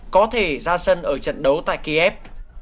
có thể ra sân ở trận đấu tại kiev